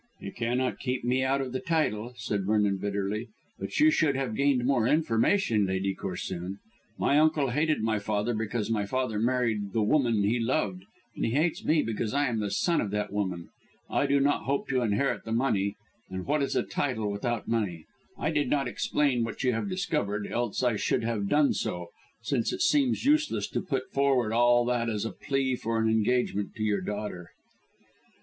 "He cannot keep me out of the title," said Vernon bitterly, "but you should have gained more information, Lady Corsoon. My uncle hated my father because my father married the woman he loved, and he hates me because I am the son of that woman. I do not hope to inherit the money, and what is a title without money? I did not explain what you have discovered, else I should have done so, since it seemed useless to put forward all that as a plea for an engagement to your daughter."